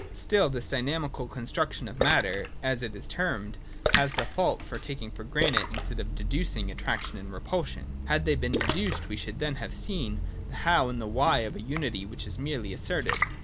Still this dynamical construction of matter, as it is termed, has the fault of taking for granted, instead of deducing, attraction and repulsion. Had they been deduced, we should then have seen the How and the Why of a unity which is merely asserted.